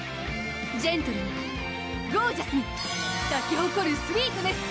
ジェントルにゴージャスに咲き誇るスウィートネス！